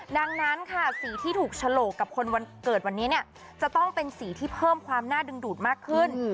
ดังนั้นค่ะสีที่ถูกฉลกกับคนวันเกิดวันนี้เนี่ยจะต้องเป็นสีที่เพิ่มความน่าดึงดูดมากขึ้น